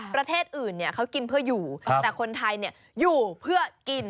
ประเทศอื่นเขากินเพื่ออยู่แต่คนไทยอยู่เพื่อกิน